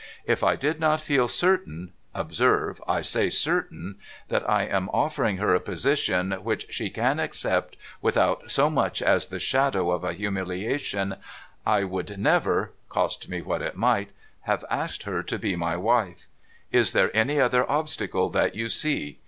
If I did not feel certain — observe, I say certain — that 1 524 NO THOROUGHFARE am offering her a position which she can accept without so much as the shadow of a humiliation — I would never (cost me what it might) have asked her to be my wife. Is there any other obstacle that you see